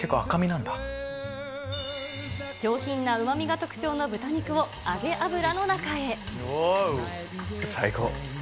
上品なうまみが特徴の豚肉を揚げ油の中へ。